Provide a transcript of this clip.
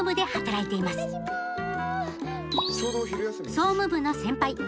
総務部の先輩坂東